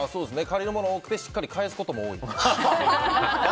借りるものも多くてしっかり返すことも多い。